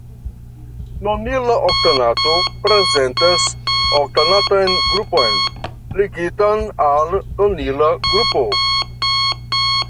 Nonila oktanato prezentas oktanatan grupon ligitan al nonila grupo.